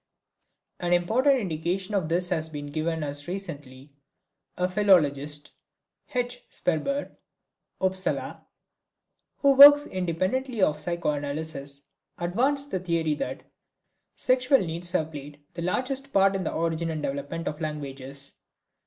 An important indication of this has been given us recently. A philologist, H. Sperber (Upsala) who works independently of psychoanalysis, advanced the theory that sexual needs have played the largest part in the origin and development of languages.